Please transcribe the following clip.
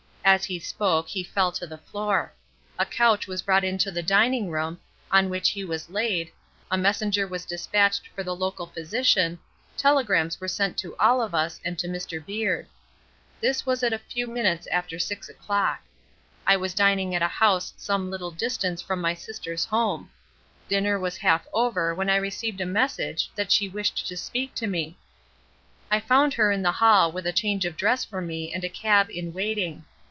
As he spoke, he fell to the floor. A couch was brought into the dining room, on which he was laid, a messenger was dispatched for the local physician, telegrams were sent to all of us and to Mr. Beard. This was at a few minutes after six o'clock. I was dining at a house some little distance from my sister's home. Dinner was half over when I received a message that she wished to speak to me. I found her in the hall with a change of dress for me and a cab in waiting.